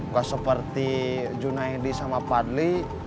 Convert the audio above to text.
gue seperti junaidi sama padli